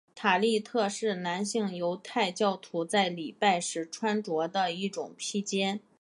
塔利特是男性犹太教徒在礼拜时穿着的一种披肩。